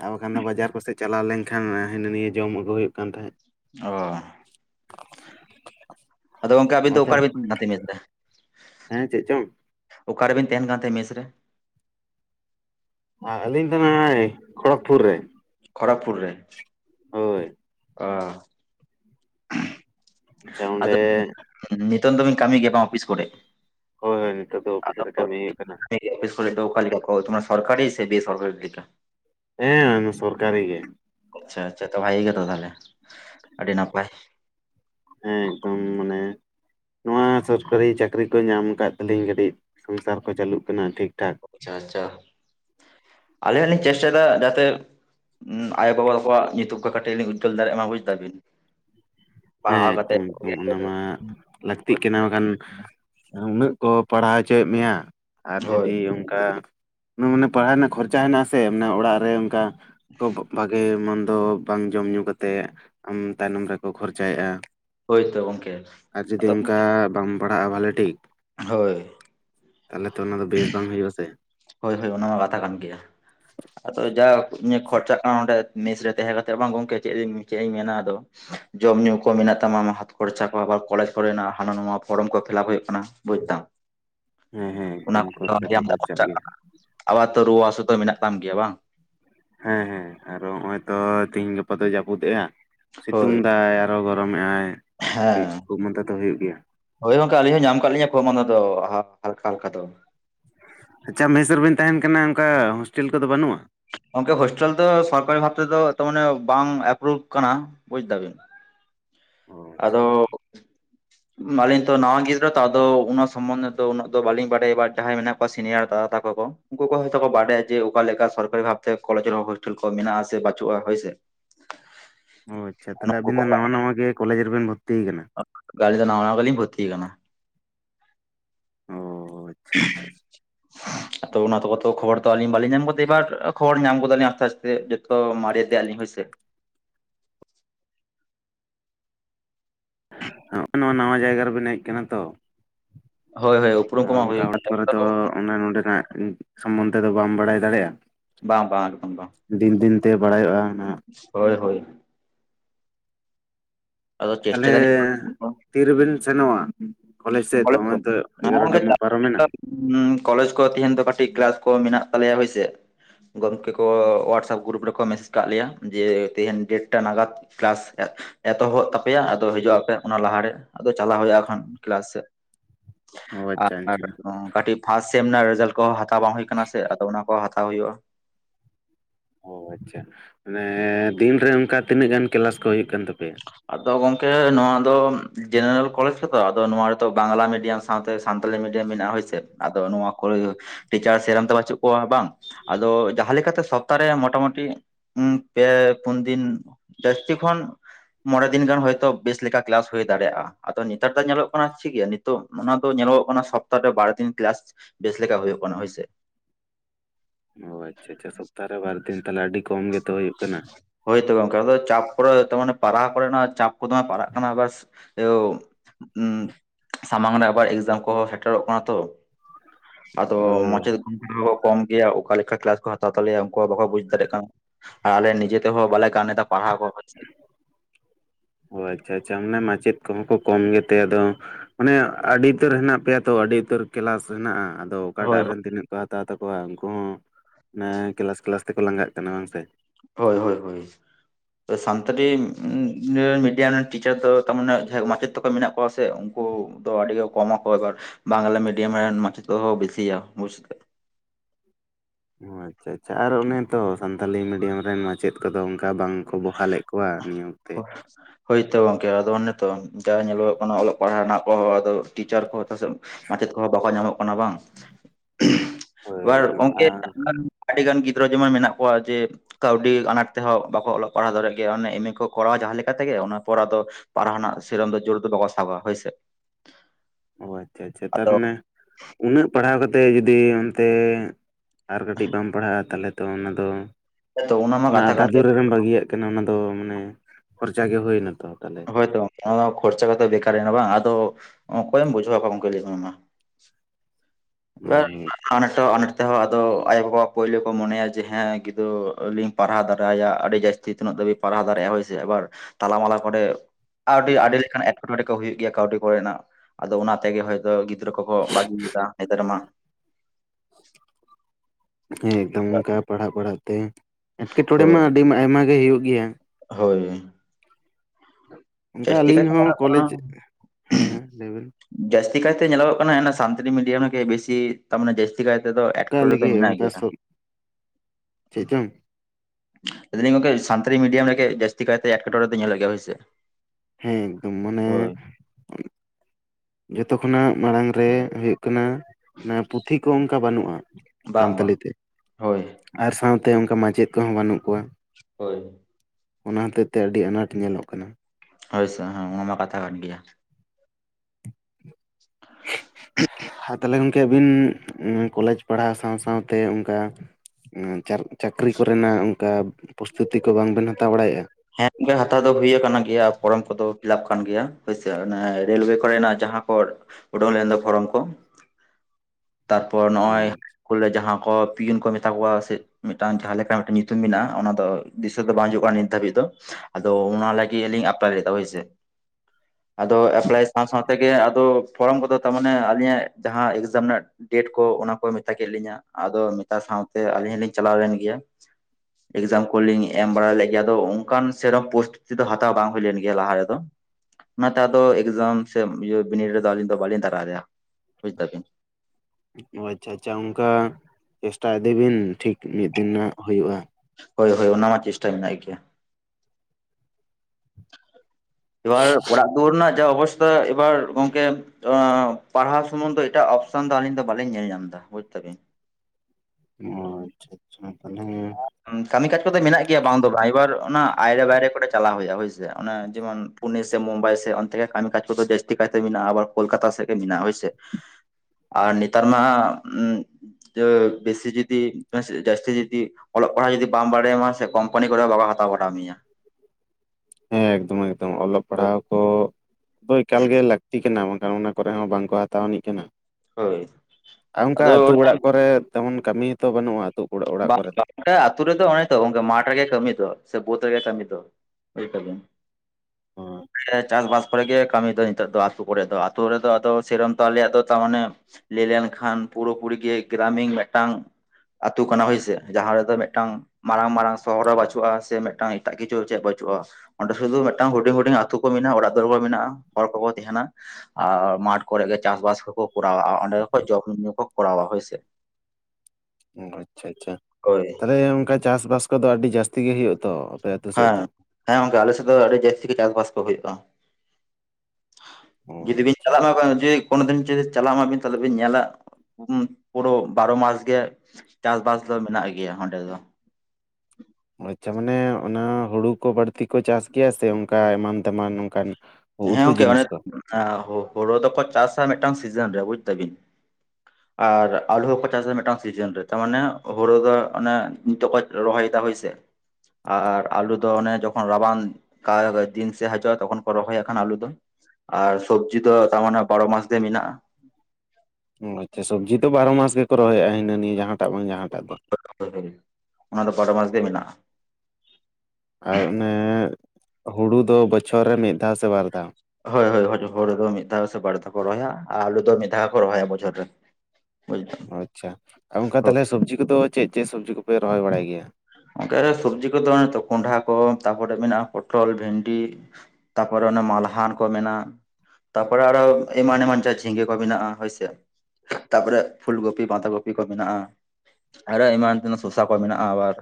ᱟᱨ ᱵᱟᱠᱷᱟᱱ ᱫᱚ ᱵᱟᱡᱟᱨ ᱠᱚᱥᱮᱫ ᱪᱟᱞᱟᱣ ᱞᱮᱱᱠᱷᱟᱱ ᱦᱤᱱᱟᱹ ᱱᱤᱭᱟᱹ ᱡᱚᱢ ᱟᱹᱜᱩ ᱦᱩᱭᱩᱜ ᱠᱟᱱ ᱛᱟᱦᱮᱸᱫ᱾ ᱚ, ᱟᱫᱚ ᱜᱚᱝᱠᱮ ᱟᱹᱵᱤᱱ ᱟᱨ ᱫᱚ ᱛᱟᱦᱚᱞᱮ ᱚᱠᱟᱨᱮᱵᱤᱱ <inaudible> ᱦᱮᱸ ᱪᱮᱫ ᱪᱚᱝ ᱚᱠᱟᱨᱮᱵᱤᱱ ᱛᱟᱦᱮᱱ ᱠᱟᱱ ᱛᱟᱦᱮᱸᱫ ᱢᱮᱥ ᱨᱮ? ᱟᱹᱞᱤᱧ ᱫᱚ ᱱᱚᱜᱼᱚᱭ ᱠᱷᱚᱲᱚᱜᱽᱯᱩᱨ ᱨᱮ᱾ ᱠᱷᱚᱲᱚᱜᱽᱯᱩᱨ ᱨᱮ, ᱦᱳᱭ ᱚ᱾ ᱟᱪᱪᱷᱟ ᱚᱸᱰᱮ ᱟᱫᱚ ᱱᱤᱛᱚᱝ ᱫᱚᱵᱤᱱ ᱠᱟᱹᱢᱤ ᱜᱮᱭᱟ ᱵᱟᱝ ᱚᱯᱷᱤᱥ ᱠᱚᱨᱮ? ᱦᱳᱭ ᱦᱳᱭ ᱱᱤᱛᱳ ᱫᱚ ᱚᱯᱷᱤᱥ ᱟᱫᱚ ᱨᱮ ᱠᱟᱹᱢᱤ ᱦᱩᱭᱩᱜ ᱠᱟᱱᱟ᱾ ᱚᱯᱷᱤᱥ ᱠᱚᱨᱮ ᱫᱚ ᱚᱠᱟ ᱞᱮᱠᱟ ᱠᱚ ᱛᱢᱟᱨ ᱥᱚᱨᱠᱟᱨᱤ ᱥᱮ ᱵᱮᱥᱚᱨᱠᱟᱨᱤ ᱞᱮᱠᱟ ᱦᱮᱸ ᱥᱚᱨᱠᱟᱨᱤ ᱜᱮ᱾ ᱟᱪᱪᱷᱟ ᱟᱪᱪᱷᱟ ᱛᱚ ᱵᱷᱟᱹᱜᱤ ᱜᱮᱛᱚ ᱛᱟᱦᱚᱞᱮ ᱟᱹᱰᱤ ᱱᱟᱯᱟᱭ᱾ ᱦᱮᱸ ᱮᱠᱫᱚᱢ ᱢᱟᱱᱮ ᱱᱚᱣᱟ ᱥᱚᱨᱠᱟᱨᱤ ᱪᱟᱹᱠᱨᱤ ᱠᱚ ᱧᱟᱢ ᱟᱠᱟᱫ ᱛᱟᱹᱞᱤᱧ ᱠᱟᱹᱴᱤᱡ ᱥᱚᱝᱥᱟᱨ ᱠᱚ ᱪᱟᱹᱞᱩᱜ ᱠᱟᱱᱟ ᱴᱷᱤᱠᱴᱷᱟᱠ᱾ ᱟᱪᱪᱷᱟ ᱟᱪᱪᱷᱟ, ᱟᱹᱞᱤᱧ ᱦᱚᱞᱤᱧ ᱪᱮᱥᱴᱟᱭ ᱮᱫᱟ ᱡᱟᱛᱮ ᱦᱩᱸ ᱟᱭᱳ ᱵᱟᱵᱟ ᱠᱚᱣᱟᱜ ᱧᱩᱛᱩᱢ ᱠᱚ ᱠᱟᱹᱴᱤᱡ ᱞᱤᱧ ᱩᱡᱡᱚᱞ ᱫᱟᱲᱮᱭᱟᱜ ᱢᱟ ᱵᱩᱡ ᱫᱟᱵᱤᱱ᱾ ᱦᱮᱸ ᱯᱟᱲᱦᱟᱣ ᱠᱟᱛᱮᱫ ᱮᱠᱫᱚᱢ ᱮᱠᱫᱚᱢ ᱚᱱᱟ ᱢᱟ ᱞᱟᱹᱠᱛᱤᱜ ᱠᱟᱱᱟ ᱵᱟᱠᱷᱟᱱ ᱩᱱᱟᱹᱜ ᱠᱚ ᱯᱟᱲᱦᱟᱣ ᱦᱚᱪᱚᱭᱮᱫ ᱢᱮᱭᱟ ᱟᱨ ᱦᱳᱭ ᱡᱩᱫᱤ ᱚᱝᱠᱟ ᱢᱟᱱᱮ ᱯᱟᱲᱦᱟᱜ ᱨᱮᱱᱟᱜ ᱠᱷᱚᱨᱪᱟ ᱦᱮᱱᱟᱜᱼᱟ ᱥᱮ ᱚᱱᱟ ᱚᱲᱟᱜ ᱨᱮ ᱚᱱᱠᱟ ᱠᱚ ᱵᱷᱟᱜᱮ ᱢᱚᱱᱫᱚ ᱵᱟᱝ ᱡᱚᱢ ᱧᱩ ᱠᱟᱛᱮᱫ ᱟᱢ ᱛᱟᱭᱱᱚᱢ ᱨᱮᱠᱚ ᱠᱷᱚᱨᱪᱟᱭᱮᱜᱼᱟ᱾ ᱦᱳᱭ ᱛᱚ ᱜᱚᱝᱠᱮ ᱟᱨ ᱡᱩᱫᱤ ᱟᱫᱚ ᱚᱱᱠᱟ ᱵᱟᱢ ᱯᱟᱲᱦᱟᱜᱼᱟ ᱵᱷᱟᱞᱮ ᱴᱷᱤᱠ ᱦᱳᱭ, ᱛᱟᱦᱚᱞᱮ ᱛᱚ ᱚᱱᱟ ᱫᱚ ᱵᱮᱥ ᱵᱟᱝ ᱦᱩᱭᱩᱜᱼᱟ ᱥᱮ᱾ ᱦᱳᱭ ᱦᱳᱭ ᱚᱱᱟᱢᱟ ᱠᱟᱛᱷᱟ ᱠᱟᱱ ᱜᱮᱭᱟ, ᱟᱫᱚ ᱡᱟ ᱱᱤᱭᱟᱹ ᱠᱷᱚᱨᱪᱟᱜ ᱠᱟᱱᱟ ᱚᱸᱰᱮ ᱢᱮᱥ ᱨᱮ ᱛᱟᱦᱮᱸ ᱠᱟᱛᱮᱜ ᱵᱟᱝ ᱜᱚᱝᱠᱮ ᱪᱮᱫ ᱪᱮᱫ ᱤᱧ ᱢᱮᱱᱟ ᱟᱫᱚ ᱡᱚᱢ ᱧᱩ ᱠᱚ ᱢᱮᱱᱟᱜ ᱛᱟᱢᱟ ᱟᱢᱟᱜ ᱦᱟᱛ ᱠᱷᱚᱨᱪᱟ ᱠᱚ ᱟᱵᱟᱨ ᱠᱚᱞᱮᱡ ᱠᱚ ᱨᱮᱱᱟᱜ ᱦᱟᱱᱟ ᱱᱷᱟᱣᱟ ᱯᱷᱚᱨᱚᱢ ᱠᱚ ᱯᱷᱤᱞᱟᱯ ᱦᱩᱭᱩᱜ ᱠᱟᱱᱟ ᱵᱩᱡ ᱫᱟᱢ᱾ <inaudible> ᱦᱮᱸ ᱦᱮᱸ ᱚᱱᱟ ᱮᱠᱫᱚᱢ ᱠᱚ ᱠᱷᱚᱨᱪᱟ ᱛᱚ ᱟᱢᱫᱟ ᱠᱷᱚᱨᱪᱟᱜ ᱠᱟᱱᱟ ᱜᱮᱭᱟ᱾ ᱟᱵᱟᱨ ᱛᱚ ᱨᱩᱣᱟᱹᱜ ᱦᱟᱹᱥᱩ ᱛᱚ ᱢᱮᱱᱟᱜ ᱛᱟᱢ ᱜᱮᱭᱟ ᱵᱟᱝ, ᱦᱮᱸ ᱦᱮᱸ ᱟᱨᱚ ᱱᱚᱜ ᱚᱭ ᱛᱚ ᱛᱮᱦᱤᱧ ᱜᱟᱯᱟ ᱫᱚᱭ ᱡᱟᱹᱯᱩᱫᱮᱜᱼᱟ, ᱦᱳᱭ ᱥᱤᱛᱩᱝ ᱫᱟᱭ ᱟᱨᱚ ᱜᱚᱨᱚᱢᱮᱜ ᱟᱭ ᱠᱟᱹᱴᱤᱡ ᱦᱮᱸ ᱠᱷᱩᱜ ᱢᱟᱫᱟ ᱫᱚ ᱦᱩᱭᱩᱜ ᱜᱮᱭᱟ᱾ ᱦᱳᱭ ᱜᱚᱝᱠᱮ ᱟᱹᱞᱤᱧ ᱦᱚᱸ ᱧᱟᱢ ᱠᱟᱜ ᱞᱤᱧᱟ ᱠᱷᱩᱜ ᱢᱟᱫᱟ ᱫᱚ ᱦᱟᱞᱠᱟ ᱦᱟᱞᱠᱟ ᱫᱚ᱾ ᱟᱪᱪᱷᱟ ᱢᱮᱥ ᱨᱮ ᱵᱤᱱ ᱛᱟᱦᱮᱱ ᱠᱟᱱᱟ ᱚᱱᱠᱟ ᱦᱳᱥᱴᱮᱞ ᱠᱚᱫᱚ ᱵᱟᱹᱱᱩᱜᱼᱟ᱾ ᱜᱚᱝᱠᱮ ᱦᱳᱥᱴᱮᱞ ᱫᱚ ᱥᱚᱨᱠᱟᱨᱤ ᱵᱷᱟᱵ ᱛᱮᱫᱚ ᱛᱚ ᱢᱟᱱᱮ ᱵᱟᱝ ᱮᱯᱨᱩᱵᱷ ᱠᱟᱱᱟ ᱵᱩᱡ ᱫᱟᱵᱤᱱ᱾ ᱚ ᱟᱪᱪᱷᱟ ᱟᱫᱚ ᱟᱪᱪᱷᱟ, ᱟᱞᱤᱧ ᱛᱚ ᱱᱟᱣᱟ ᱜᱤᱫᱽᱨᱟᱹ ᱛᱚ ᱟᱫᱚ ᱩᱱᱟᱹᱜ ᱥᱚᱢᱢᱚᱱᱫᱮ ᱫᱚ ᱩᱱᱟᱹᱜ ᱫᱚ ᱵᱟᱹᱞᱤᱧ ᱵᱟᱰᱟᱭᱟ ᱵᱟ ᱡᱟᱦᱟᱸᱭ ᱢᱮᱱᱟᱜ ᱠᱚ ᱠᱚᱣᱟ ᱥᱤᱱᱤᱭᱟᱨ ᱫᱟᱫᱟ ᱛᱟᱠᱚ ᱠᱚ ᱩᱱᱠᱩ ᱠᱚ ᱦᱚᱭᱛᱚ ᱠᱚ ᱵᱟᱰᱟᱭᱟ ᱡᱮ ᱚᱠᱟ ᱞᱮᱠᱟ ᱥᱚᱨᱠᱟᱨᱤ ᱵᱷᱟᱵᱽᱛᱮ ᱠᱚᱞᱮᱡ ᱨᱮᱦᱚᱸ ᱦᱚᱥᱴ ᱦᱚᱥᱴᱮᱞ ᱠᱚ ᱢᱮᱱᱟᱜᱼᱟ ᱥᱮ ᱵᱟᱪᱩᱜᱼᱟ ᱦᱳᱭ ᱥᱮ᱾ ᱚ ᱟᱪᱪᱷᱟ ᱛᱟᱦᱚᱞᱮ ᱩᱱᱠᱩ ᱟᱵᱤᱱ ᱫᱚ ᱠᱚ ᱱᱟᱣᱟ ᱵᱟᱰᱟᱭᱟ᱾ ᱱᱟᱣᱟ ᱜᱮ ᱠᱚᱞᱮᱡ ᱨᱮᱵᱤᱱ ᱵᱷᱚᱨᱛᱤ ᱠᱟᱱᱟ᱾ ᱟᱹᱞᱤᱧ ᱫᱚ ᱱᱟᱣᱟ ᱱᱟᱣᱟ ᱜᱮᱞᱤᱧ ᱵᱷᱚᱨᱛᱤ ᱟᱠᱟᱱᱟ᱾ ᱚ ᱟᱪᱪᱷᱟ ᱟᱪᱪᱷᱟ ᱪᱷᱟ, <unintelligible> ᱛᱚ ᱚᱱᱟ ᱛᱚ ᱠᱷᱚᱵᱚᱨ ᱛᱚ ᱟᱹᱞᱤᱧ ᱵᱟᱹᱞᱤᱧ ᱧᱟᱢ ᱠᱟᱫᱟ ᱮᱵᱟᱨ ᱠᱷᱚᱵᱚᱨ ᱧᱟᱢ ᱜᱚᱫᱟᱞᱤᱧ ᱟᱥᱛᱮ ᱟᱥᱛᱮ ᱡᱚᱛᱚ ᱢᱟᱨᱮ ᱤᱫᱤᱜ ᱟᱞᱤᱧ ᱦᱚᱭ ᱥᱮ᱾ ᱦᱚᱸᱜ ᱱᱟᱣᱟ ᱡᱟᱭᱜᱟ ᱨᱮ ᱵᱤᱱ ᱦᱮᱡ ᱠᱟᱱᱟ ᱛᱚ᱾ ᱦᱳᱭ ᱦᱳᱭ, ᱩᱯᱨᱩᱢ ᱟᱨ ᱠᱚᱢᱟ ᱚᱱᱠᱟ ᱦᱩᱭᱩᱜ ᱦᱚᱴ ᱜᱮᱭᱟ ᱠᱚᱨᱮ ᱛᱚ ᱚᱱᱟ ᱱᱚᱰᱮᱱᱟᱜ ᱥᱚᱢᱢᱚᱱᱫᱮ ᱫᱚ ᱵᱟᱢ ᱵᱟᱰᱟᱭ ᱫᱟᱲᱮᱭᱟᱜᱼᱟ᱾ ᱵᱟᱝ ᱵᱟᱝ ᱮᱠᱫᱚᱢ ᱵᱟᱝ᱾ ᱫᱤᱱ ᱫᱤᱱ ᱛᱮ ᱵᱟᱰᱟᱭᱚᱜᱼᱟ ᱱᱷᱟᱜ᱾ ᱦᱳᱭ ᱦᱳᱭ, ᱟᱫᱚ ᱪᱮᱥᱴᱟᱭ ᱛᱟᱦᱞᱮ ᱫᱟᱞᱤᱧ ᱛᱤ ᱨᱮᱵᱤᱱ ᱥᱮᱱᱚᱜᱼᱟ ᱠᱚᱞᱮᱡ ᱥᱮᱫ ᱫᱚ ᱦᱚᱸᱜᱚᱭ ᱛᱚ ᱮᱜᱟᱨᱚᱴᱟ ᱢᱟ ᱯᱟᱨᱚᱢ ᱮᱱᱟ᱾ ᱠᱚᱞᱮᱡ ᱠᱚ ᱛᱟᱦᱮᱧ ᱫᱚ ᱠᱟᱹᱴᱤᱡ ᱠᱞᱟᱥ ᱠᱚ ᱢᱮᱱᱟᱜ ᱛᱟᱞᱮᱭᱟ ᱦᱳᱭ ᱥᱮ᱾ ᱜᱚᱝᱠᱮ ᱠᱚ ᱦᱳᱣᱟᱴᱥᱮᱯ ᱜᱨᱩᱯ ᱨᱮᱠᱚ ᱢᱮᱥᱮᱡ ᱠᱟᱜ ᱞᱮᱭᱟ ᱡᱮ ᱛᱮᱦᱮᱧ ᱰᱮᱴᱴᱟ ᱱᱟᱜᱟᱛ ᱠᱮᱞᱟᱥ ᱮ ᱮᱛᱚᱦᱚᱵ ᱛᱟᱯᱮᱭᱟ ᱟᱫᱚ ᱦᱤᱡᱩᱜ ᱟᱯᱮ ᱚᱱᱟ ᱞᱟᱦᱟ ᱨᱮ ᱟᱫᱚ ᱪᱟᱞᱟᱣ ᱦᱩᱭᱩᱜᱼᱟ ᱠᱷᱟᱱ ᱠᱮᱞᱟᱥ ᱥᱮᱫᱼᱼ ᱚ ᱟᱪᱪᱷᱟ ᱟᱨ ᱟᱪᱪᱷᱟ ᱠᱟᱹᱴᱤᱡ ᱯᱷᱟᱥᱴ ᱥᱮᱢ ᱨᱮᱱᱟᱜ ᱨᱮᱡᱟᱞᱴ ᱠᱚ ᱦᱚᱸ ᱦᱟᱛᱟᱣ ᱵᱟᱝ ᱦᱩᱭ ᱠᱟᱱᱟ ᱥᱮ ᱟᱫᱚ ᱚᱱᱟ ᱠᱚ ᱦᱟᱛᱼᱼ ᱛᱟᱣ ᱦᱩᱭᱩᱜᱼᱟ ᱚ ᱟᱪᱪᱷᱟ ᱢᱟᱱᱮ ᱫᱤᱱ ᱨᱮ ᱚᱱᱠᱟ ᱛᱤᱱᱟᱹᱜ ᱜᱟᱱ ᱠᱮᱞᱟᱥ ᱠᱚ ᱦᱩᱭᱩᱜ ᱠᱟᱱ ᱛᱟᱯᱮᱭᱟ᱾ ᱟᱫᱚ ᱜᱚᱝᱠᱮ ᱱᱚᱣᱟ ᱫᱚ ᱡᱮᱱᱟᱨᱮᱞ ᱠᱚᱞᱮᱡᱽ ᱨᱮᱛᱚ ᱟᱫᱚ ᱱᱚᱣᱟ ᱨᱮᱫᱚ ᱵᱟᱝᱞᱟ ᱢᱤᱰᱤᱭᱟᱢᱼᱼ ᱥᱟᱶ ᱛᱮ ᱥᱟᱱᱛᱟᱞᱤ ᱢᱤᱰᱤᱭᱟᱢ ᱢᱮᱱᱟᱜᱼᱟ ᱦᱳᱭ ᱥᱮ ᱟᱫᱚ ᱱᱚᱣᱟ ᱠᱚ ᱨᱮ ᱴᱤᱪᱟᱨ ᱥᱮᱨᱚᱠᱚᱢ ᱫᱚ ᱵᱟᱹᱪᱩᱜ ᱠᱚᱣᱟ ᱵᱟᱝ ᱟᱫᱚ ᱡᱟᱦᱟᱸ ᱞᱮᱠᱟ ᱛᱮ ᱥᱚᱯᱛᱟ ᱨᱮ ᱢᱚᱴᱟ ᱢᱩᱴᱤ ᱯᱮ ᱯᱩᱱ ᱫᱤᱱᱼᱼ ᱡᱟᱹᱥᱛᱤ ᱠᱷᱚᱱᱼᱼ ᱢᱚᱬᱮ ᱫᱤᱱ ᱜᱟᱱ ᱦᱚᱭᱛᱳ ᱵᱮᱥ ᱞᱮᱠᱟ ᱠᱮᱞᱟᱥ ᱦᱩᱭ ᱫᱟᱲᱮᱭᱟᱜᱼᱟ ᱟᱫᱚ ᱱᱮᱛᱟᱨ ᱫᱚ ᱧᱮᱞᱚᱜ ᱠᱟᱱᱟ ᱴᱷᱤᱠ ᱜᱮᱭᱟ᱾ ᱛᱚ ᱚᱱᱟ ᱫᱚ ᱧᱮᱞᱚᱜᱚᱜ ᱠᱟᱱᱟ ᱥᱚᱯᱛᱟ ᱨᱮ ᱵᱟᱨ ᱫᱤᱱ ᱠᱮᱞᱟᱥ ᱵᱮᱥ ᱞᱮᱠᱟ ᱦᱩᱭᱩᱜ ᱠᱟᱱᱟ ᱦᱳᱭ ᱥᱮᱼᱼ <unintelligible> ᱚ ᱟᱪᱪᱷᱟ ᱟᱪᱪᱷᱟ ᱥᱚᱯᱛᱟᱦᱮ ᱵᱟᱨ ᱫᱤᱱ ᱛᱟᱦᱚᱞᱮ ᱟᱹᱰᱤ ᱠᱚᱢ ᱜᱮᱛᱚ ᱦᱩᱭᱩᱜ ᱠᱟᱱᱟ ᱦᱳᱭᱛᱳ ᱜᱚᱝᱠᱮ ᱟᱫ ᱪᱟᱯ ᱠᱚᱨᱮ ᱱᱟᱜ ᱯᱟᱲᱦᱟᱣ ᱠᱚ ᱨᱮᱱᱟᱜ ᱪᱟᱯ ᱠᱚ ᱫᱚᱢᱮ ᱯᱟᱲᱟᱜ ᱠᱟᱱᱟ ᱟᱵᱟᱨ <unintelligible> ᱦᱩᱸ ᱥᱟᱢᱟᱝ ᱨᱮ ᱟᱵᱟᱨ ᱮᱠᱡᱟᱢ ᱠᱚ ᱦᱚᱸ ᱥᱮᱴᱮᱨᱚᱜ ᱠᱟᱱᱟ ᱛᱚ ᱟᱫᱚ ᱦᱳᱭ ᱦᱳᱭ ᱢᱟᱪᱮᱫ ᱜᱚᱢᱠᱮ ᱦᱚᱸ ᱠᱚ ᱠᱚᱢ ᱜᱮᱭᱟ ᱚᱠᱟ ᱞᱮᱠᱟ ᱠᱮᱞᱟᱥ ᱠᱚ ᱦᱟᱛᱟᱣ ᱛᱟᱞᱮᱭᱟ ᱩᱱᱠᱩ ᱦᱚᱸ ᱵᱟᱠᱚ ᱵᱩᱡ ᱫᱟᱲᱮᱭᱟᱜ ᱠᱟᱱᱟ᱾ ᱟᱨ ᱟᱞᱮ ᱱᱤᱡᱮ ᱛᱮ ᱦᱚᱸ ᱵᱟᱞᱮ ᱜᱟᱱ ᱮᱫᱟ ᱯᱟᱲᱦᱟᱣ ᱠᱚᱦᱚᱸ ᱦᱚᱭ ᱪᱮ ᱚ ᱟᱪᱪᱷᱟ ᱟᱪᱪᱷᱟ ᱢᱟᱱᱮ ᱢᱟᱪᱮᱫ ᱠᱚ ᱦᱚᱸ ᱠᱚ ᱠᱚᱢ ᱜᱮᱛᱮ ᱟᱫᱚᱼᱼ ᱚᱱᱮ ᱟᱹᱰᱤ ᱩᱛᱟᱹᱨ ᱦᱮᱱᱟᱜ ᱯᱮᱭᱟ ᱛᱚ ᱟᱹᱰᱤ ᱩᱛᱟᱹᱨ ᱠᱮᱞᱟᱥ ᱦᱮᱱᱟᱜᱼᱟ ᱟᱫᱚ ᱦᱳᱭ ᱚᱠᱟᱴᱟᱜ ᱨᱮᱱ ᱛᱤᱱᱟᱹᱜᱼᱼ ᱦᱟᱛᱟᱣ ᱛᱟᱠᱚᱣᱟ ᱩᱱᱠᱩ ᱦᱚᱸ <unintelligible> ᱠᱮᱞᱟᱥ ᱠᱮᱞᱟᱥ ᱛᱮ ᱠᱚ ᱞᱟᱸᱜᱟᱜ ᱠᱟᱱᱟ ᱵᱟᱝ ᱥᱮᱼᱼ ᱦᱳᱭ ᱦᱳᱭ ᱦᱳᱭ ᱥᱟᱱᱛᱟᱲᱤ ᱢᱤᱰᱤᱭᱟᱢ ᱨᱮᱱ ᱴᱤᱪᱟᱨ ᱫᱚ ᱛᱟᱢᱟᱱᱮ ᱡᱟᱸᱦᱟᱭ ᱢᱟᱪᱮᱫ ᱛᱟᱠᱚ ᱢᱮᱱᱟᱜ ᱠᱚᱣᱟ ᱥᱮᱼᱼ <unintelligible> ᱟᱹᱰᱤ ᱜᱮ ᱠᱚᱢ ᱟᱠᱚ ᱮᱵᱟᱨ ᱵᱟᱝᱞᱟ ᱢᱤᱰᱤᱭᱟᱢ ᱨᱮᱱ ᱢᱟᱪᱮᱫ ᱵᱮᱥᱤᱭᱟ ᱵᱩᱡ ᱛᱮᱼᱼ ᱚ ᱟᱪᱪᱷᱟ ᱟᱪᱪᱷᱟ ᱟᱨ ᱚᱱᱮ ᱛᱚ ᱥᱟᱱᱛᱟᱞᱤ ᱢᱤᱰᱤᱭᱟᱢ ᱨᱮᱱ ᱢᱟᱪᱮᱫ ᱠᱚ ᱫᱚ ᱚᱱᱠᱟ ᱵᱟᱝᱼᱼ ᱠᱚ ᱵᱚᱦᱟᱞ ᱞᱮᱫ ᱠᱚᱣᱟ ᱱᱤᱭᱟᱹ ᱚᱠᱛᱮᱼᱼ ᱦᱳᱭᱛᱚ ᱜᱚᱝᱠᱮ ᱟᱫᱚ ᱱᱤᱛᱚᱜ ᱡᱟ ᱧᱮᱞᱚᱜᱚᱜ ᱠᱟᱱᱟ ᱚᱞᱚᱜ ᱯᱟᱲᱦᱟᱜ ᱨᱮᱱᱟᱜ ᱠᱚ ᱟᱫᱚ ᱴᱤᱪᱟᱨ ᱠᱚ ᱦᱚᱸ ᱛᱚ ᱥᱮᱼᱼ ᱢᱟᱪᱮᱫ ᱠᱚ ᱦᱚᱸ ᱵᱟᱠᱚ ᱧᱟᱢᱚᱜ ᱠᱟᱱᱟ ᱵᱟᱝ ᱦᱳᱭ ᱮᱵᱟᱨ ᱜᱚᱝᱠᱮᱼᱼ ᱟᱨ ᱟᱹᱰᱤ ᱜᱟᱱ ᱜᱤᱫᱽᱨᱟᱹ ᱡᱮᱢᱚᱱ ᱢᱮᱱᱟᱜ ᱠᱚᱣᱟ ᱡᱮ ᱠᱟᱹᱣᱰᱤ ᱟᱱᱟᱴ ᱛᱮ ᱦᱚᱸ ᱵᱟᱠᱚ ᱚᱞᱚᱜᱼᱼ ᱯᱟᱲᱦᱟᱣ ᱫᱟᱲᱮ ᱜᱮᱭᱟ ᱚᱱᱮ ᱮᱢ. ᱢᱮ ᱠᱚ ᱠᱚᱨᱟᱣᱟ ᱡᱟᱦᱟᱸ ᱞᱮᱠᱟ ᱛᱮ ᱜᱮ ᱚᱱᱟ ᱯᱚᱨ ᱟᱫᱚᱼᱼ ᱯᱟᱲᱦᱟᱣ ᱱᱟᱜ ᱥᱮᱨᱚᱠᱚᱢ ᱫᱚ ᱡᱳᱨ ᱫᱚ ᱵᱟᱠᱚ ᱥᱟᱵ ᱟ ᱦᱳᱭ ᱥᱮᱼᱼ ᱚ ᱟᱪᱪᱷᱟ ᱟᱪᱪᱷᱟ ᱛᱟᱨᱢᱟᱱᱮ ᱩᱱᱟᱹᱜ ᱯᱟᱲᱦᱟᱣ ᱠᱟᱛᱮᱫ ᱡᱩᱫᱤ ᱚᱱᱛᱮᱼᱼ ᱟᱨ ᱠᱟᱹᱴᱤᱡ ᱵᱟᱢ ᱯᱟᱲᱦᱟᱜᱼᱟ ᱛᱟᱦᱚᱞᱮ ᱛᱚ ᱚᱱᱟ ᱫᱚ ᱦᱳᱭᱛᱚ ᱢᱟ ᱚᱱᱟ ᱠᱟᱛᱷᱟ ᱟᱫᱷᱟ ᱠᱟᱱ ᱜᱮ ᱫᱩᱨ ᱨᱮᱢ ᱵᱟᱹᱜᱤᱭᱟᱜᱼᱼ ᱚᱱᱟ ᱫᱚ ᱢᱟᱱᱮ ᱠᱷᱚᱨᱪᱟ ᱜᱮ ᱦᱩᱭᱱᱟ ᱛᱚ ᱛᱟᱞᱦᱮᱼᱼ <unintelligible> ᱚᱱᱟ ᱠᱷᱚᱨᱪᱟ ᱠᱟᱛᱮ ᱵᱮᱠᱟᱨ ᱮᱱᱟ ᱵᱟᱝ ᱟᱫᱚ ᱚᱠᱚᱭ ᱮᱢ ᱵᱩᱡᱷᱟᱹᱣ ᱟᱠᱚ ᱜᱚᱝᱠᱮ ᱞᱟᱹᱭ ᱢᱮ ᱢᱟ ᱦᱮᱸ <unintelligible> ᱟᱱᱟᱴ ᱛᱮ ᱦᱚᱸ ᱟᱱᱟᱴ ᱛᱮ ᱦᱚᱸ ᱟᱫᱚ ᱟᱭᱳ ᱵᱟᱵᱟ ᱯᱳᱭᱞᱳ ᱠᱚ ᱢᱚᱱᱮᱭᱟ ᱡᱮ ᱦᱮᱸ ᱜᱤᱫᱽᱨᱟᱹ ᱞᱤᱧ ᱯᱟᱲᱦᱟᱣ ᱫᱟᱨᱮᱭᱟ ᱟᱹᱰᱤ ᱡᱟ. ᱥᱛᱤ ᱼᱼ ᱛᱤᱱᱟᱹᱜ ᱫᱷᱟᱵᱤᱡ ᱯᱟᱲᱦᱟᱣ ᱫᱟᱲᱮᱭᱟᱜ ᱦᱚᱭ ᱥᱮ ᱟᱵᱟᱨ ᱛᱟᱞᱟ ᱢᱟᱞᱟ ᱠᱚ ᱨᱮᱼᱼ ᱟᱹᱰᱤ ᱟᱹᱰᱤ ᱞᱮᱠᱟᱱ ᱮᱴᱠᱮᱴᱚᱬᱮ ᱠᱚ ᱦᱩᱭᱩᱜ ᱜᱮᱭᱟ ᱠᱟᱹᱣᱰᱤ ᱠᱚ ᱨᱮᱱᱟᱜᱼᱼ ᱟᱫᱚ ᱚᱱᱟ ᱛᱮ ᱜᱮ ᱦᱚᱭ ᱛᱚ ᱜᱤᱫᱽᱨᱟᱹ ᱠᱚ ᱠᱚ ᱵᱟᱜᱤ ᱠᱮᱫᱟ᱾ ᱦᱮᱸ ᱮᱠᱫᱚᱢ <unintelligible> ᱯᱟᱲᱦᱟᱜ ᱯᱟᱲᱦᱟᱜ ᱛᱮ ᱮᱴᱠᱮᱴᱚᱬᱮ ᱢᱟ ᱦᱳᱭ ᱟᱹᱰᱤᱢᱟ ᱟᱭᱢᱟ ᱜᱮ ᱦᱩᱭᱩᱜ ᱜᱮᱭᱟ᱾ ᱦᱳᱭ ᱚᱱᱠᱟ ᱡᱟᱹᱥᱛᱤ ᱟᱹᱞᱤᱧ ᱠᱟᱭᱛᱮ ᱦᱚᱸ ᱧᱮᱞᱚᱜ ᱠᱟᱱᱟ ᱠᱚᱞᱮᱡᱽ ᱦᱮᱸ ᱦᱮᱸ ᱞᱟᱹᱭ ᱵᱮᱱᱼᱼ ᱡᱟᱹᱥᱛᱤ ᱠᱟᱭ ᱛᱮ ᱧᱮᱞᱚᱜᱚᱜ ᱠᱟᱱᱟ <unintelligible> ᱥᱟᱱᱛᱟᱞᱤ ᱢᱤᱰᱤᱭᱟᱢ <unintelligible> ᱵᱮᱥᱤᱼᱼ ᱛᱟᱨ ᱢᱟᱱᱮ ᱡᱟᱹᱥᱛᱤ ᱠᱟᱭ ᱛᱮ ᱫᱚ ᱚᱱᱠᱟ <unintelligible> ᱫᱚ ᱟᱞᱮᱜᱮ ᱢᱮᱱᱟᱜ ᱚᱱᱠᱟ ᱜᱮᱭᱟ᱾ ᱥᱚᱵ ᱪᱮᱫ ᱪᱚᱝ ᱞᱟᱹᱭ ᱫᱟᱹᱞᱤᱧ ᱜᱚᱝᱠᱮ ᱥᱟᱱᱛᱟᱞᱤ ᱢᱤᱰᱤᱭᱟᱢ ᱨᱮ ᱜᱮ ᱡᱟᱹᱥᱛᱤ ᱠᱟᱭ ᱛᱮ ᱮᱴᱠᱮᱴᱚᱬᱮ ᱫᱚ ᱧᱮᱞᱚᱜ ᱜᱮᱭᱟ ᱦᱳᱭ ᱥᱮ᱾ ᱦᱮᱸ ᱮᱠᱫᱚᱢ ᱢᱟᱱᱮᱼᱼ ᱦᱳᱭ ᱡᱚᱛᱚ ᱠᱷᱚᱱᱟᱜ ᱢᱟᱲᱟᱝ ᱨᱮ ᱦᱩᱭᱩᱜ ᱠᱟᱱᱟ ᱚᱱᱟ ᱯᱩᱛᱷᱤ ᱠᱚ ᱚᱱᱠᱟ ᱵᱟᱹᱱᱩᱜᱼᱟ ᱵᱟᱝ ᱵᱟᱝ ᱥᱟᱱᱛᱟᱞᱤ ᱛᱮ ᱦᱳᱭ ᱟᱨ ᱥᱟᱶ ᱛᱮ ᱚᱱᱠᱟ ᱢᱟᱪᱮᱫ ᱠᱚ ᱦᱚᱸ ᱵᱟᱹᱱᱩᱜ ᱠᱚᱣᱟ᱾ ᱦᱳᱭ ᱚᱱᱟ ᱦᱚᱛᱮᱛ ᱛᱮ ᱟᱹᱰᱤ ᱟᱱᱟᱴ ᱧᱮᱞᱚᱜ ᱠᱟᱱᱟ᱾ ᱦᱳᱭ ᱥᱮ ᱦᱮᱸ ᱚᱱᱟ ᱢᱟ ᱠᱟᱛᱷᱟ ᱠᱟᱱ ᱜᱮᱭᱟ <unintelligible> <unintelligible> ᱛᱟᱦᱞᱮ ᱜᱚᱢᱠᱮ ᱟᱹᱵᱤᱱ ᱠᱚᱞᱮᱡᱽ ᱯᱟᱲᱦᱟᱣ ᱥᱟᱶ ᱥᱟᱶ ᱛᱮ ᱚᱱᱠᱟᱼᱼ ᱩ ᱪᱟᱠ ᱪᱟᱠᱨᱤ ᱠᱚᱨᱮᱱᱟᱜ ᱚᱝᱠᱟ ᱯᱚᱥᱛᱩᱛᱤ ᱠᱚ ᱵᱟᱝᱵᱮᱱ ᱦᱟᱛᱟᱣ ᱵᱟᱲᱟᱭᱮᱫ-ᱟ? ᱦᱮᱸ ᱜᱮ ᱦᱟᱛᱟᱣ ᱫᱚ ᱦᱩᱭ ᱟᱠᱟᱱᱟ ᱜᱮᱭᱟ ᱯᱷᱚᱨᱚᱢ ᱠᱚᱫᱚ ᱯᱷᱤᱞᱟᱯ ᱠᱟᱱ ᱜᱮᱭᱟ ᱦᱳᱭᱥᱮ ᱚᱱᱮ ᱨᱮᱞᱳᱣᱮ ᱠᱚᱨᱮᱱᱟᱜ ᱡᱟᱦᱟᱸ ᱠᱚ ᱳᱰᱳᱝ ᱞᱮᱱ ᱫᱚ ᱯᱷᱚᱨᱚᱢ ᱠᱚ ᱛᱟᱨᱯᱚᱨ ᱱᱚᱜ-ᱭ ᱠᱷᱩᱞ ᱨᱮ ᱡᱟᱦᱟᱸ ᱠᱚ ᱯᱤᱭᱤᱱ ᱠᱚ ᱢᱮᱛᱟ ᱠᱚᱣᱟ ᱥᱮ ᱢᱤᱫᱴᱟᱱ ᱡᱟᱦᱟᱸ ᱞᱮᱠᱟ ᱢᱤᱫᱟᱝ ᱧᱩᱛᱩᱢ ᱢᱮᱱᱟᱜ-ᱟ ᱚᱱᱟ ᱫᱚ ᱫᱤᱥᱟᱹ ᱫᱚ ᱵᱟᱝ ᱦᱤᱡᱩᱜ ᱠᱟᱱᱟ ᱱᱤᱛ ᱫᱷᱟᱹᱵᱤᱡ ᱫᱚ ᱟᱫᱚ ᱚᱱᱟ ᱞᱟᱹᱜᱤᱫ ᱞᱤᱧ ᱮᱯᱞᱟᱭ ᱞᱮᱫᱟ ᱦᱳᱭᱥᱮ᱾ ᱟᱫᱚ ᱮᱯᱞᱟᱭ ᱥᱟᱶ ᱥᱟᱶ ᱛᱮᱜᱮ ᱟᱫᱚ ᱯᱷᱚᱨᱚᱢ ᱠᱚᱫᱚ ᱛᱟᱨᱢᱟᱱᱮ ᱟᱞᱤᱧᱟᱜ ᱡᱟᱦᱟᱸ ᱮᱠᱡᱟᱢ ᱨᱮᱱᱟᱜ ᱰᱮᱴ ᱠᱚ ᱚᱱᱟ ᱠᱚ ᱢᱮᱛᱟ ᱠᱮᱫ ᱞᱤᱧᱟ ᱟᱫᱚ ᱢᱮᱛᱟ ᱥᱟᱶᱛᱮ ᱟᱞᱤᱧ ᱦᱚᱞᱤᱧ ᱪᱟᱞᱟᱣ ᱞᱮᱱ ᱜᱮᱭᱟ, ᱮᱠᱡᱟᱢ ᱠᱚᱞᱤᱧ ᱮᱢ ᱵᱟᱲᱟ ᱞᱮᱫ ᱜᱮᱭᱟ ᱟᱫᱚ ᱚᱱᱠᱟᱱ ᱥᱮᱨᱚᱢ ᱯᱨᱚᱥᱛᱩᱛᱤ ᱫᱚ ᱦᱟᱛᱟᱣ ᱵᱟᱝ ᱦᱩᱭ ᱞᱮᱱ ᱜᱮᱭᱟ ᱞᱟᱦᱟ ᱨᱮᱫᱚ᱾ ᱚᱱᱟ ᱛᱮ ᱟᱫᱚ ᱮᱠᱡᱟᱢ ᱥᱮ ᱵᱤᱱᱤᱰ ᱨᱮᱫᱚ ᱧᱞᱤᱧ ᱫᱚ ᱵᱟᱞᱤᱧ ᱫᱟᱨᱟᱮᱭᱟ ᱵᱩᱡ ᱫᱟᱹᱵᱤᱱ ᱚ ᱟᱪᱪᱷᱟ ᱟᱪᱪᱷᱟ ᱚᱱᱠᱟ ᱪᱮᱥᱴᱟ ᱤᱫᱤ ᱵᱤᱱ ᱴᱷᱤᱠ ᱢᱤᱫ ᱫᱤᱱ ᱦᱟᱜ ᱦᱩᱭᱩᱜ-ᱟ᱾ ᱦᱳᱭ ᱦᱳᱭ ᱚᱱᱟ ᱢᱟ ᱪᱮᱥᱴᱟ ᱢᱮᱱᱟᱜ ᱜᱮᱭᱟ᱾ ᱮᱵᱟᱨ ᱚᱲᱟᱜ ᱫᱩᱣᱟᱹᱨ ᱨᱮᱱᱟᱜ ᱡᱟ ᱚᱵᱚᱥᱛᱟ ᱮᱵᱟᱨ ᱜᱚᱝᱠᱮ ᱯᱟᱲᱦᱟᱣ ᱥᱩᱢᱩᱱ ᱫᱚ ᱮᱴᱟᱜ ᱚᱯᱥᱮᱱ ᱫᱚ ᱟᱹᱞᱤᱧ ᱫᱚ ᱵᱟᱞᱤᱧ ᱧᱮᱞ ᱧᱟᱢ ᱮᱫᱟ ᱵᱩᱡ ᱝᱟᱹᱵᱤᱱ ᱚ ᱟᱪᱪᱷᱟ ᱟᱪᱪᱷᱟ ᱛᱟᱦᱞᱮ ᱠᱟᱹᱢᱤ ᱠᱟᱡᱽ ᱠᱚᱫᱚ ᱢᱮᱱᱟᱜ ᱜᱮᱭᱟ ᱵᱟᱝ ᱫᱚ ᱵᱟᱝ ᱮᱵᱟᱨ ᱚᱱᱟ ᱟᱭᱨᱮ ᱵᱟᱭᱨᱮ ᱠᱚᱨᱮ ᱪᱟᱞᱟᱣ ᱦᱩᱭᱩᱜ-ᱟ ᱦᱳᱭᱥᱮ ᱡᱮᱢᱚᱱ ᱯᱩᱱᱮ ᱥᱮ ᱢᱩᱢᱵᱟᱭ ᱥᱮ ᱚᱱᱛᱮ ᱨᱮ ᱠᱟᱹᱢᱤ ᱠᱟᱡ ᱠᱚᱫᱚ ᱡᱟᱥᱛᱤ ᱠᱟᱭ ᱛᱮ ᱢᱮᱱᱟᱜ-ᱟ ᱟᱵᱟᱨ ᱠᱳᱞᱠᱟᱛᱟ ᱥᱮᱜ ᱜᱮ ᱢᱮᱱᱟᱜ-ᱟ ᱦᱳᱭ ᱥᱮ ᱟᱨ ᱱᱮᱛᱟᱨ ᱢᱟ ᱩ ᱡᱳᱨ ᱵᱮᱥ ᱡᱫᱤ ᱡᱟᱥᱛᱤ ᱡᱫᱤ ᱚᱞᱚᱜ ᱯᱟᱲᱦᱟᱜ ᱡᱩᱫᱤ ᱵᱟᱢ ᱵᱰᱟᱭᱟᱢᱟ ᱥᱮ ᱠᱳᱢᱯᱟᱱᱤ ᱠᱚᱨᱮ ᱦᱚᱸ ᱵᱟᱠᱚ ᱦᱟᱛᱟᱣ ᱵᱟᱲᱟ ᱢᱮᱭᱟ᱾ ᱦᱮᱸ ᱮᱠᱫᱚᱢ ᱮᱠᱫᱚᱢ ᱚᱞᱚᱜ ᱦᱳᱭ ᱯᱟᱲᱦᱟᱣ ᱠᱚ ᱫᱚ ᱮᱠᱟᱞ ᱜᱮ ᱞᱟᱹᱠᱛᱤ ᱠᱟᱱᱟ ᱵᱟᱝᱠᱷᱟᱱ ᱚᱱᱟ ᱠᱚᱨᱮ ᱦᱚᱸ ᱵᱟᱝᱠᱚ ᱦᱟᱛᱟᱣ ᱟᱹᱱᱤᱡ ᱠᱟᱱᱟ ᱦᱳᱭ ᱟᱨ ᱚᱱᱠᱟ ᱟᱫᱚ ᱟᱹᱛᱩ ᱚᱱᱮ ᱚᱲᱟᱜ ᱠᱚᱨᱮ ᱛᱮᱢᱚᱱ ᱠᱟᱹᱢᱤ ᱦᱚᱛᱚ ᱵᱟᱹᱱᱩᱜ-ᱟ᱾ ᱵᱟ ᱵᱟ ᱚᱸᱰᱮ ᱟᱛᱩ ᱨᱮᱫᱚ ᱚᱱᱮ ᱛᱚ ᱜᱚᱝᱠᱮ ᱢᱟᱴᱷ ᱨᱮᱜᱮ ᱠᱟᱹᱢᱤ ᱛᱚ ᱥᱮ ᱵᱟᱹᱫ ᱨᱮᱜᱮ ᱠᱟᱹᱢᱤ ᱫᱚ ᱵᱩᱡ ᱫᱟᱹᱵᱤᱱ ᱚ ᱪᱟᱥ ᱵᱟᱥ ᱠᱚᱨᱮ ᱜᱮ ᱠᱟᱹᱢᱤ ᱫᱚ ᱱᱤᱛᱚᱜ ᱫᱚ ᱟᱛᱩ ᱠᱚᱨᱮ ᱫᱚ ᱟᱛᱩ ᱨᱮᱫᱚ ᱟᱫᱚ ᱥᱮᱨᱚᱢ ᱛᱚ ᱟᱞᱮᱭᱟᱜ ᱫᱚ ᱛᱟᱢᱟᱱᱮ ᱞᱮᱭ ᱞᱮᱱᱠᱷᱟᱱ ᱯᱩᱨᱟᱹᱯᱩᱨᱤ ᱜᱮ ᱜᱨᱟᱢᱤᱝ ᱢᱮᱫᱴᱟᱝ ᱛᱩ ᱠᱟᱱᱟ ᱦᱳᱭᱥᱮ ᱡᱟᱦᱟᱸ ᱨᱮᱫᱚ ᱢᱮᱫᱴᱟᱝ ᱢᱟᱨᱟᱝ ᱢᱟᱨᱟᱝ ᱥᱚᱦᱚᱨ ᱦᱚᱸ ᱵᱟᱪᱩᱜ-ᱟ ᱥᱮ ᱢᱮᱫᱴᱟᱝ ᱮᱴᱟᱜ ᱠᱤᱪᱷᱩ ᱪᱮᱫ ᱵᱟᱹᱪᱩᱜ-ᱟ᱾ ᱚᱸᱰᱮ ᱥᱩᱫᱷᱩ ᱢᱨᱫᱴᱟᱝ ᱦᱩᱰᱤᱧ ᱦᱩᱰᱤᱧ ᱟᱛᱩ ᱠᱚ ᱢᱮᱱᱟᱜ-ᱟ ᱚᱲᱟᱜ ᱫᱩᱣᱟᱹᱨ ᱠᱚ ᱢᱮᱱᱟᱜ-ᱟ ᱦᱚᱲ ᱠᱚᱠᱚ ᱛᱮᱦᱮᱱᱟ, ᱟᱨ ᱢᱟᱴᱷ ᱠᱚᱨᱮᱜ ᱜᱮ ᱪᱟᱥᱵᱟᱥ ᱠᱚᱠᱚ ᱠᱚᱨᱟᱣᱟ ᱚᱸᱰᱮ ᱠᱷᱚᱡ ᱡᱚᱢ ᱧᱩ ᱠᱚ ᱠᱚᱨᱟᱣᱟ ᱦᱳᱭᱥᱮ᱾ ᱚ ᱟᱪᱪᱷᱟ ᱟᱪᱪᱷᱟ ᱦᱳᱭ ᱛᱟᱞᱮ ᱚᱝᱠᱟ ᱪᱟᱥ ᱵᱟᱥ ᱠᱚᱫᱚ ᱟᱹᱰᱤ ᱡᱟᱹᱥᱛᱤ ᱜᱮ ᱦᱩᱭᱩᱜ-ᱟ ᱛᱚ ᱟᱹᱛᱩ ᱥᱮᱫ ᱦᱮᱸ ᱫᱚ? ᱦᱮᱸ ᱜᱚᱝᱠᱮ ᱟᱞᱮ ᱥᱮᱫ ᱫᱚ ᱟᱹᱰᱤ ᱡᱟᱹᱥᱛᱤ ᱜᱮ ᱪᱟᱥᱵᱟᱥ ᱠᱚ ᱦᱩᱭᱩᱜ-ᱟ᱾ ᱚ ᱡᱩᱫᱤ ᱵᱤᱱ ᱟᱪᱪᱷᱟ ᱪᱟᱞᱟᱜ ᱢᱟ ᱟᱪᱪᱷᱟ ᱵᱟᱝ ᱡᱮ ᱠᱳᱱᱳ ᱫᱤᱱ ᱡᱩᱫᱤ ᱪᱟᱞᱟᱜ ᱱᱟᱵᱤᱱ ᱛᱟᱦᱚᱞᱮ ᱵᱤᱱ ᱧᱮᱞᱟ ᱯᱩᱨᱟᱹ ᱵᱟᱨᱚ ᱢᱟᱥ ᱜᱮ ᱪᱟᱥᱵᱟᱥ ᱫᱚ ᱢᱮᱱᱟᱜ ᱜᱮᱭᱟ ᱚᱸᱰᱮ ᱫᱚ᱾ ᱟᱪᱪᱷᱟ ᱢᱟᱱᱮ ᱚᱱᱟ ᱦᱩᱲᱩ ᱠᱚ ᱵᱟᱹᱲᱛᱤ ᱠᱚ ᱪᱟᱥ ᱜᱮᱭᱟ? ᱥᱮ ᱚᱱᱠᱟ ᱮᱢᱟᱱ ᱛᱮᱢᱟᱱ ᱚᱱᱠᱟᱱ ᱦᱮᱸ ᱩᱛᱩ ᱜᱚᱝᱠᱮ ᱚᱱᱮ ᱡᱤᱱᱤᱥ ᱠᱚ ᱦᱩᱲᱳ ᱫᱚᱠᱚ ᱪᱟ ᱥᱟ ᱢᱮᱫᱴᱟᱝ ᱥᱤᱡᱟᱱ ᱨᱮ ᱵᱩᱡ ᱫᱟᱹᱵᱤᱱ <inaudible> ᱟᱨ ᱟᱞᱩ ᱦᱚᱸᱠᱚ ᱪᱟᱥᱫᱟ ᱢᱤᱫᱴᱟᱝ ᱥᱤᱡᱤᱱ ᱨᱮ ᱛᱟᱨᱢᱟᱱᱮ ᱦᱳᱲᱳ ᱫᱚ ᱚᱱᱮ ᱱᱤᱛᱚᱜ ᱠᱚ ᱨᱚᱦᱚᱭᱮᱫᱟ ᱦᱳᱭᱥᱮ᱾ ᱟᱨ ᱟᱞᱩ ᱫᱚ ᱚᱱᱮ ᱡᱚᱠᱷᱚᱱ ᱨᱟᱵᱟᱝ ᱠᱟᱜ ᱟᱭ ᱫᱤᱱ ᱥᱮᱫ ᱦᱤᱡᱩᱜ-ᱟ ᱛᱚᱠᱷᱚᱱ ᱠᱚ ᱨᱚᱦᱚᱭᱟ ᱠᱷᱟᱱ ᱟᱞᱩ ᱫᱚ ᱟᱨ ᱥᱚᱵᱽᱡᱤ ᱫᱚ ᱛᱟᱨᱢᱟᱱᱮ ᱵᱟᱨᱚ ᱢᱟᱥ ᱜᱮ ᱢᱮᱱᱟᱜ-ᱟ᱾ ᱚ ᱟᱪᱪᱷᱟ ᱥᱚᱵᱽᱡᱤ ᱫᱚ ᱵᱟᱨᱚ ᱢᱟᱥ ᱜᱮᱠᱚ ᱨᱚᱦᱚᱭᱮᱜ-ᱟ ᱦᱤᱱᱟᱹ ᱱᱤᱭᱟᱹ ᱡᱟᱦᱟᱸᱴᱟᱜ ᱵᱟᱝ ᱡᱟᱦᱟᱸᱴᱟᱜ ᱫᱚ? ᱚᱱᱟ ᱫᱚ ᱵᱟᱨᱚ ᱢᱟᱥ ᱜᱮ ᱢᱮᱱᱟᱜ-ᱟ᱾ ᱟᱨ ᱚᱱᱮ ᱦᱩᱲᱩ ᱫᱚ ᱵᱚᱪᱷᱚᱨ ᱨᱮ ᱢᱤᱫ ᱫᱷᱟᱣ ᱥᱮ ᱵᱟᱨ ᱫᱷᱟᱣ? ᱦᱳᱭ ᱦᱳᱭᱳ ᱦᱚᱡᱚ ᱦᱳᱲᱳ ᱫᱚ ᱢᱤᱫ ᱫᱷᱟᱣ ᱜᱮ ᱥᱮ ᱵᱟᱨ ᱫᱷᱟᱣ ᱠᱚ ᱨᱚᱦᱚᱭᱟ ᱟᱨ ᱟᱞᱩ ᱫᱚ ᱢᱤᱫ ᱫᱷᱟᱣ ᱜᱮᱠᱚ ᱨᱚᱦᱚᱭᱟ ᱵᱚᱪᱷᱚᱨ ᱨᱮ᱾ ᱵᱳᱭᱛᱚ ᱪᱟ ᱚᱱᱠᱟ ᱛᱟᱦᱚᱞᱮ ᱥᱚᱵᱽᱡᱤ ᱠᱚᱫᱚ ᱪᱮᱫ ᱪᱮᱫ ᱥᱚᱵᱡᱤ ᱠᱚᱯᱮ ᱨᱚᱦᱚᱭ ᱵᱟᱲᱟᱭ ᱜᱮᱭᱟ? ᱜᱚᱝᱠᱮ ᱥᱚᱵᱽᱡᱤ ᱠᱚᱫᱚ ᱛᱚ ᱠᱚᱸᱰᱷᱟ ᱠᱚ ᱛᱟᱯᱚᱨᱮ ᱢᱮᱱᱟᱜᱼᱟ ᱯᱚᱴᱚᱞ ᱵᱷᱮᱱᱰᱤ ᱛᱟᱯᱚᱨᱮ ᱚᱱᱮ ᱢᱟᱞᱦᱟᱱ ᱠᱚ ᱢᱮᱱᱟᱜ ᱛᱟᱯᱚᱨᱮ ᱟᱨᱚ ᱮᱢᱟᱱ ᱮᱢᱟᱱ ᱡᱟ ᱡᱷᱤᱸᱜᱟᱹ ᱠᱚ ᱢᱮᱱᱟᱜᱼᱟ ᱦᱳᱭᱥᱮ ᱛᱟᱯᱚᱨᱮ ᱯᱷᱩᱞ ᱠᱚᱯᱤ ᱵᱟᱸᱫᱟ ᱠᱚᱯᱤ ᱠᱚ ᱢᱮᱱᱟᱜᱼᱟ ᱟᱨᱚ ᱮᱢᱟᱱ ᱛᱮᱱᱟᱜ ᱥᱚᱥᱟ ᱠᱚ ᱢᱮᱱᱟᱜᱼᱟ ᱟᱵᱟᱨ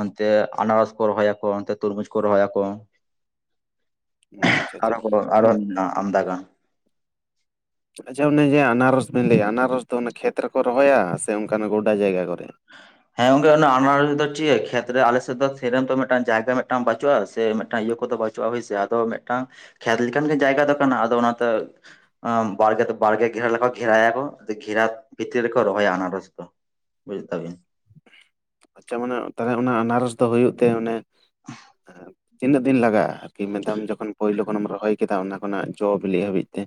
ᱚᱱᱛᱮ ᱟᱱᱟᱨᱚᱥ ᱠᱚ ᱨᱚᱦᱚᱭᱟᱠᱚ ᱚᱱᱛᱮ ᱛᱩᱨᱢᱩᱡᱽ ᱠᱚ ᱨᱚᱦᱚᱭᱟᱠᱚ ᱟᱪᱪᱷᱟ ᱟᱨᱚ ᱟᱪᱪᱷᱟ ᱠᱚᱫᱚ ᱟᱨᱚ ᱢᱮᱱᱟᱜᱟ ᱟᱢᱫᱟᱜᱟᱱ ᱟᱪᱷᱟ ᱚᱱᱮ ᱡᱮ ᱟᱱᱟᱨᱚᱥ ᱵᱮᱱ ᱞᱟᱹᱭᱟ ᱟᱱᱟᱨᱚᱥ ᱫᱚ ᱚᱱᱟ ᱠᱷᱮᱛ ᱨᱮᱠᱚ ᱨᱚᱦᱚᱭᱟ ᱥᱮ ᱚᱱᱠᱟᱱᱟᱜ ᱜᱚᱰᱟ ᱡᱟᱭᱜᱟ ᱠᱚᱨᱮ? ᱦ <inaudible> ᱦᱮᱸ ᱜᱚᱝᱜᱮ ᱚᱱᱟ ᱟᱱᱟᱨᱚᱥ ᱫᱚ ᱪᱮᱜ ᱠᱷᱮᱛ ᱨᱮ ᱟᱞᱮᱥᱮᱫ ᱫᱚ ᱥᱮᱨᱚᱢ ᱫᱚ ᱢᱤᱫᱴᱟᱝ ᱡᱟᱭᱜᱟ ᱢᱤᱫᱴᱟᱝ ᱵᱟᱪᱩᱜᱼᱟ ᱥᱮ ᱢᱤᱫᱴᱟᱝ ᱤᱭᱟᱹ ᱠᱚᱫᱚ ᱵᱟᱪ ᱪᱩᱼᱟ ᱦᱳᱭᱥᱮ ᱟᱫᱚ ᱢᱤᱫᱴᱟᱝ ᱠᱷᱮᱛ ᱞᱮᱠᱟᱱ ᱜᱮ ᱡᱟᱭᱜᱟ ᱫᱚ ᱠᱟᱱᱟ ᱟᱫᱚ ᱚᱱᱟᱛᱮ ᱟᱜ ᱵᱟᱲᱜᱮ ᱫᱚ ᱵᱟᱲᱜᱮ ᱜᱷᱨᱟ ᱞᱮᱠᱟ ᱜᱷᱮᱨᱟᱭᱟᱠᱚ ᱜᱷᱮᱨᱟ ᱵᱷᱤᱛᱤᱨ ᱨᱮᱠᱚ ᱨᱚᱦᱚᱭᱟ ᱟᱱᱟᱨᱚᱥ ᱫᱚ ᱵᱩᱡ ᱫᱟᱵᱤᱱ ᱪᱟ ᱢᱟᱱᱮ ᱛᱟᱦᱚᱞᱮ ᱚᱱᱟ ᱟᱱᱟᱨᱚᱥ ᱫᱚ ᱦᱩᱭᱩᱜ ᱛᱮ ᱚᱱᱮ ᱛᱤᱱᱟᱹᱜ ᱫᱤᱱ ᱞᱟᱜᱟᱜᱼᱟ? ᱩᱥᱠᱤ ᱢᱮᱫᱟᱢ ᱡᱚᱠᱷᱚᱱ ᱯᱳᱭᱞᱳ ᱠᱷᱚᱱᱮᱢ ᱨᱚᱦᱚᱭ ᱠᱮᱫᱟ ᱚᱱᱟ ᱠᱷᱚᱱᱟᱜ ᱡᱚ ᱵᱤᱞᱤᱜ ᱦᱟᱹᱵᱤᱡ ᱛᱮ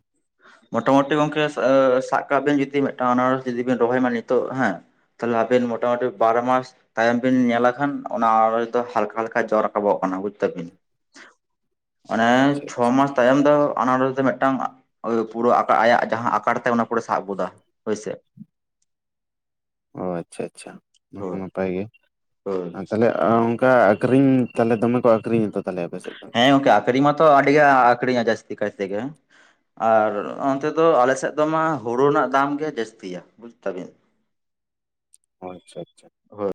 ᱢᱳᱚᱴᱟ ᱢᱩᱴᱤ ᱜᱚᱝᱠᱮᱸ ᱥᱟ ᱥᱟᱵ ᱠᱟᱜ ᱵᱤᱱ ᱡᱩᱫᱤ ᱢᱤᱫᱴᱟᱝ ᱟᱱᱟᱨᱚᱥ ᱡᱩᱫᱤ ᱵᱤᱱ ᱨᱚᱦᱚᱭ ᱢᱟ ᱱᱤᱛᱚᱜ ᱦᱮᱸ ᱛᱟᱦᱠᱮ ᱟᱵᱮᱱ ᱢᱚᱴᱟ ᱢᱩᱴᱤ ᱵᱟᱨ ᱢᱟᱥ ᱛᱟᱭᱚᱢ ᱵᱤᱱ ᱧᱮᱞᱟ ᱠᱷᱟᱱ ᱚᱱᱟ ᱟᱱᱟᱨᱚᱫ ᱫᱚ ᱦᱟᱞᱠᱟ ᱦᱟᱞᱠᱟ ᱡᱚ ᱨᱟᱠᱟᱵᱚᱜ ᱠᱟᱱᱟ ᱵᱩᱡ ᱫᱟᱹᱵᱤᱱ ᱢᱟᱱᱮ ᱟᱪᱪᱷᱟ ᱪᱷᱚ ᱟᱪᱪᱷᱟ ᱢᱟᱥ ᱛᱟᱭᱚᱢ ᱫᱚ ᱟᱱᱟᱨᱚᱥ ᱫᱚ ᱢᱤᱫᱴᱟᱝ ᱳ ᱯᱩᱨᱟᱹ ᱟᱭᱟᱜ ᱡᱟᱦᱟᱸ ᱟᱠᱟᱨ ᱛᱟᱭ ᱚᱱᱟ ᱯᱩᱨᱮ ᱥᱟᱵ ᱜᱚᱫᱟ ᱦᱳᱭᱥᱮ ᱚ ᱟᱪᱪᱷᱟ ᱟᱪᱪᱷᱟ ᱱᱚᱛᱚ ᱦᱳᱭ ᱱᱟᱯᱟᱭ ᱜᱮ ᱦᱳᱭ ᱟᱨ ᱛᱟᱦᱚᱞᱮ ᱚ ᱚᱱᱠᱟ ᱟᱹᱠᱷᱨᱤᱧ ᱛᱟᱦᱚᱞᱮ ᱫᱚᱢᱮ ᱠᱚ ᱟᱹᱠᱷᱨᱤᱧ ᱟᱛᱚ ᱛᱟᱦᱚᱞᱮ ᱟᱯᱮᱥᱮᱫ ᱫᱚ ᱦᱮᱸ ᱜᱚᱝᱠᱮ ᱟᱹᱠᱷᱨᱤᱧ ᱢᱟᱛᱚ ᱟᱹᱰᱤᱜᱮ ᱟᱠᱷᱨᱤᱧᱟ ᱡᱟᱹᱥᱛᱤ ᱠᱟᱭ ᱛᱮ ᱜᱮ ᱟᱨ ᱚᱱᱛᱮ ᱫᱚ ᱟᱞᱮᱥᱮᱫ ᱫᱚᱢᱟ ᱦᱩᱲᱩ ᱨᱮᱱᱟᱜ ᱫᱟᱢ ᱜᱮ ᱡᱟᱹᱥᱛᱤᱭᱟ ᱵᱩᱡᱽ ᱛᱟᱹᱵᱤᱱ ᱚ ᱟᱪᱪᱷᱟ ᱟᱪᱪᱷᱟ ᱦᱳᱭ